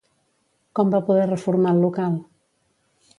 Com va poder reformar el local?